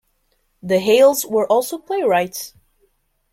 The Hales were also playwrights.